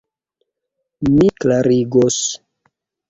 Mi klarigos.